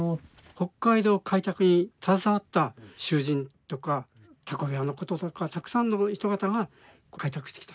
北海道開拓に携わった囚人とかタコ部屋のこととかたくさんの人がたが開拓してきたと。